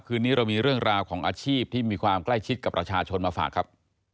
คืนนี้เรามีเรื่องราวของอาชีพที่มีความใกล้ชิดกับประชาชนมาฝากครับ